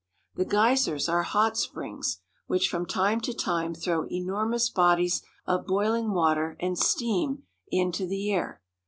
The geysers are hot springs which from time to time throw enormous bodies' of boiling water and steam into the air.